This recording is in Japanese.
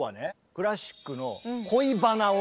クラシックの恋バナを。